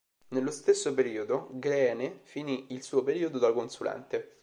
Nello stesso periodo Greene finì il suo periodo da consulente.